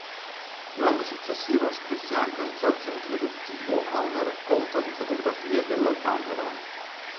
L'anno successivo scrisse anche un saggio introduttivo a una raccolta di fotografie della Cameron.